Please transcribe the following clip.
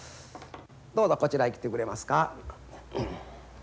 どうぞこちらへ来てくれますか。